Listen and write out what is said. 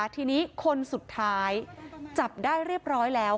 ทีนี้คนสุดท้ายจับได้เรียบร้อยแล้ว